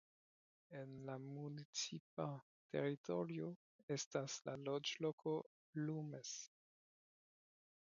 En la municipa teritorio estas la loĝloko Llumes.